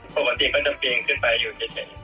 ปกติเขาจะปีนขึ้นไปอยู่เฉย